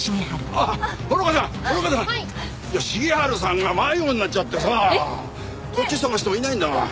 いや重治さんが迷子になっちゃってさこっち捜してもいないんだわ。